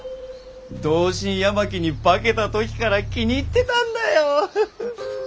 同心八巻に化けたときから気に入ってたんだよ！